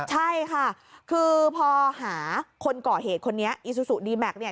ใช่ค่ะคือพอหาคนก่อเหตุคนนี้อีซูซูดีแม็กซเนี่ย